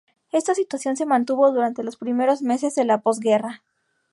Esta situación se mantuvo durante los primeros meses de la posguerra.